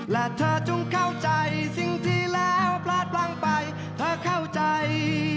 และเธอจงเข้าใจสิ่งที่แล้วพลาดบังไปเธอเข้าใจ